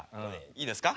いいですか。